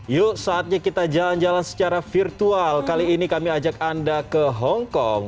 yuk saatnya kita jalan jalan secara virtual kali ini kami ajak anda ke hongkong